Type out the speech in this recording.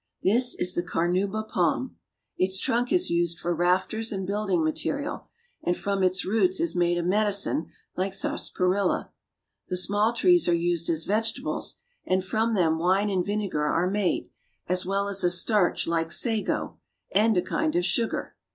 This is the carnauba palm. Its trunk is used for rafters and building material, and from its roots is made a medicine like sarsaparilla. The small trees are used as vegetables, and from them wine and vinegar are made, as well as a starch like sago,' and a kind of sugar.